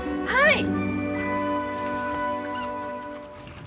はい。